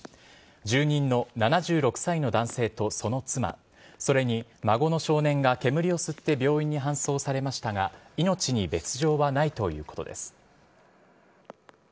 住人の７６歳の男性とその妻、それに孫の少年が煙を吸って病院に搬送されましたが、命に別状はないということです。